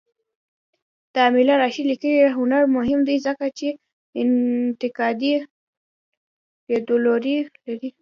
د علامه رشاد لیکنی هنر مهم دی ځکه چې انتقادي لیدلوری لري.